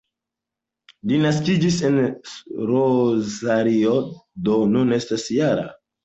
Li naskiĝis en Rosario, do nun estas -jara.